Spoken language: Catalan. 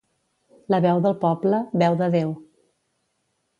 La veu del poble, veu de Déu.